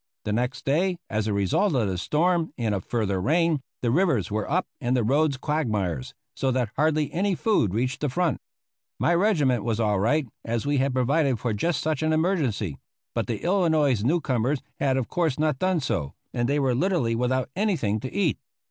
The next day, as a result of the storm and of further rain, the rivers were up and the roads quagmires, so that hardly any food reached the front. My regiment was all right, as we had provided for just such an emergency; but the Illinois newcomers had of course not done so, and they were literally without anything to eat.